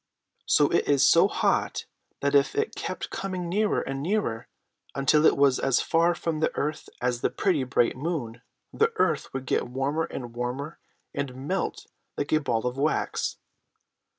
"It is so hot that if it kept coming nearer and nearer until it was as far from the earth as the pretty bright moon, the earth would get warmer and warmer and melt like a ball of wax."